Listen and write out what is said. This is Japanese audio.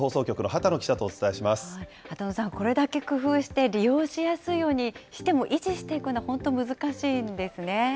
波多野さん、これだけ工夫して、利用しやすいようにしても、維持していくのは本当難しいんですね？